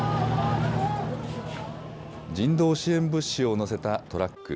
人道支援物資を載せたトラック。